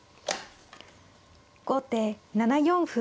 後手７四歩。